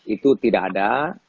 itu tidak ada